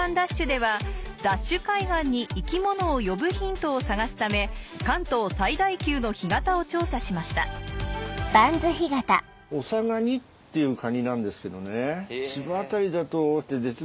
ＤＡＳＨ‼』ではＤＡＳＨ海岸に生き物を呼ぶヒントを探すため関東最大級の干潟を調査しましたオサガニっていうカニなんですけどね。